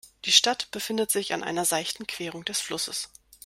Die Stadt befindet sich an einer seichten Querung des Flusses.